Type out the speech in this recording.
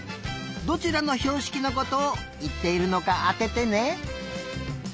どちらのひょうしきのことをいっているのかあててね。